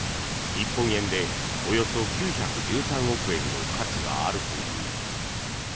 日本円でおよそ９１３億円の価値があるという。